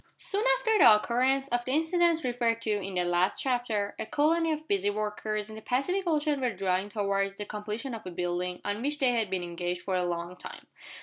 Soon after the occurrence of the incidents referred to in the last chapter, a colony of busy workers in the Pacific Ocean were drawing towards the completion of a building on which they had been engaged for a long time.